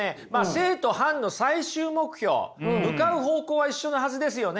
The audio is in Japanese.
正と反の最終目標向かう方向は一緒のはずですよね。